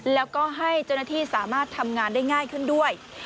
แล้วก็ให้เจ้าหน้าที่สามารถทำงานได้ง่ายขึ้นด้วย